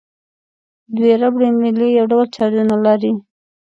دوه ربړي میلې یو ډول چارجونه لري.